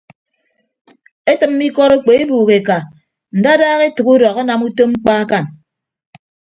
Etịmme ikọt okpo ọbuuk eka ndadaha etәk udọk anam utom mkpa akañ.